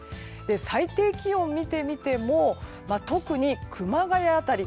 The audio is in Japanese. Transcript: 最低気温を見てみても特に熊谷辺り